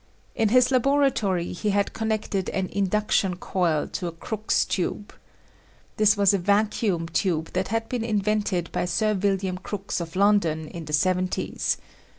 In his laboratory he had connected an induction coil to a Crookes tube. This was a vacuum tube that had been invented by Sir William Crookes of London in the seventies.